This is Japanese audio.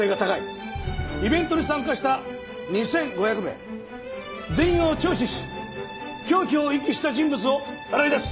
イベントに参加した２５００名全員を聴取し凶器を遺棄した人物を洗い出す。